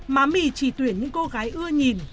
má mì trì tuyển những cô gái ưa nhìn